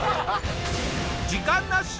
時間なし！